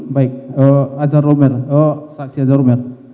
baik azan romer saksi azan romer